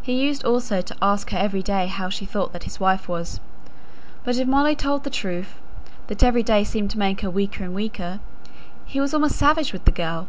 He used also to ask her every day how she thought that his wife was; but if Molly told the truth that every day seemed to make her weaker and weaker he was almost savage with the girl.